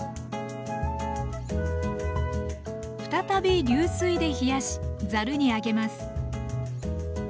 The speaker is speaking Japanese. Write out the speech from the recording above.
再び流水で冷やしざるに上げます